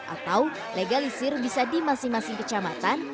atau legalisir bisa di masing masing kecamatan